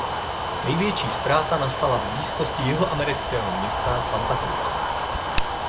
Největší ztráta nastala v blízkosti jihoamerického města Santa Cruz.